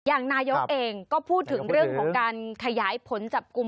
อย่างนายกเองก็พูดถึงเรื่องของการขยายผลจับกลุ่ม